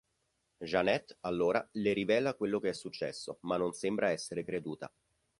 Janet, allora, le rivela quello che è successo, ma non sembra essere creduta.